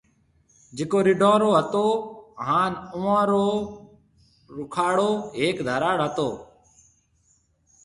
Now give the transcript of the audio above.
جڪو رڍون رو هتو هان اوئون رو رُکاڙو هيڪ ڌراڙ هتو